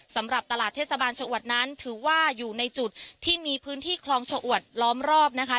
สำหรับตลาดเทศบาลชะอวดนั้นถือว่าอยู่ในจุดที่มีพื้นที่คลองชะอวดล้อมรอบนะคะ